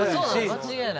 間違いない。